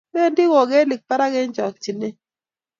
bendi kokelik eng' barak eng; chokchinet